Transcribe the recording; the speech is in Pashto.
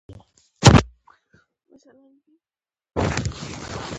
د خلاصون په نیت دبلي په پیل سه.